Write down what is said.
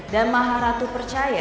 dan maharatu percaya